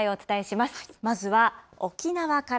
まずは沖縄から。